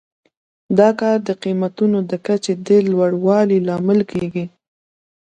دا کار د قیمتونو د کچې د لوړوالي لامل کیږي.